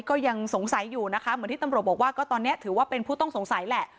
ก็ยังสงสัยอยู่นะคะเหมือนที่ตำรวจบอกว่าก็ตอนนี้ถือว่าเป็นผู้ต้องสงสัยแหละ